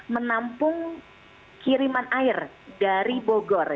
menampung kiriman air dari bogor